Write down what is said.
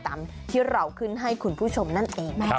ตามที่เราขึ้นให้คุณผู้ชมนั่นเองนะคะ